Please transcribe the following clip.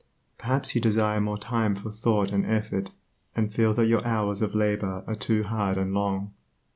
Perhaps you desire more time for thought and effort, and feel that your hours of labor are too hard and long.